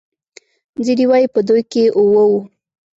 ځینې وايي په دوی کې اوه وو.